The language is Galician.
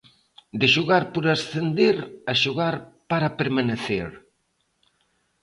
De xogar por ascender a xogar para permanecer.